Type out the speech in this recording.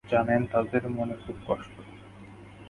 জানেন, তাদের মনে খুব কষ্ট।